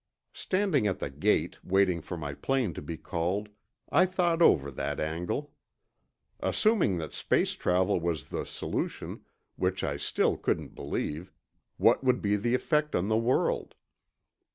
Standing at the gate, waiting for my plane to be called, I thought over that angle. Assuming that space travel was the solution—which I still couldn't believe what would be the effect on the world?